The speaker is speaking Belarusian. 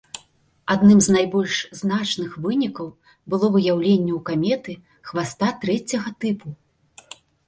Адным з найбольш значных вынікаў было выяўленне ў каметы хваста трэцяга тыпу.